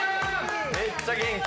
めっちゃ元気。